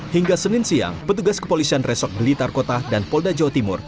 hingga senin siang petugas kepolisian resort blitar kota dan polda jawa timur